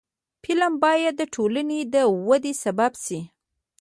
فلم باید د ټولنې د ودې سبب شي